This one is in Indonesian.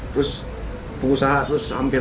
terus pengusaha terus hampir